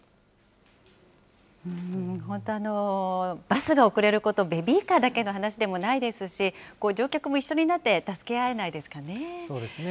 バスが遅れること、ベビーカーだけの話でもないですし、乗客も一緒になって、そうですね。